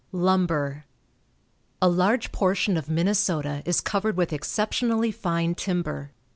LUMBER. A large portion of Minnesota is covered with exceptionally fine timber.